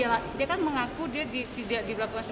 tapi dia kan mengaku dia tidak diberlakukan